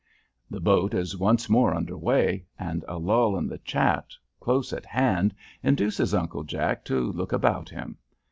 The boat is once more under way, and a lull in the chat close at hand induces Uncle Jack to look about him.